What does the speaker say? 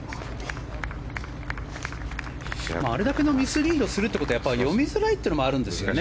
あれだけのミスリードするということは読みづらいというのもあるんですかね。